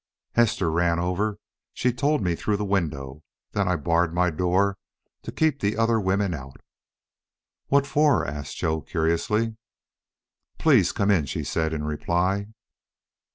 "Hester ran over. She told me through the window. Then I barred my door to keep the other women out." "What for?" asked Joe, curiously. "Please come in," she said, in reply.